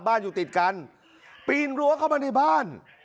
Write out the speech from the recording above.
บ้านอยู่ติดกันปีนหลัวเข้ามาในบ้าน